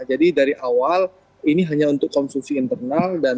jadi dari awal ini hanya untuk konsumsi internal